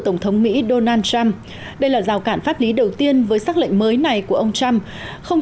tổng thống mỹ donald trump đây là rào cản pháp lý đầu tiên với sắc lệnh mới này của ông trump không